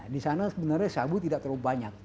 di sana sebenarnya sabu tidak terlalu banyak